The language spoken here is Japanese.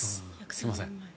すいません。